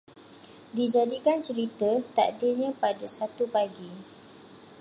Dijadikan cerita, takdirnya pada suatu pagi